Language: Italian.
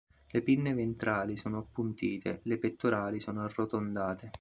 Le pinne ventrali sono appuntite, le pettorali sono arrotondate.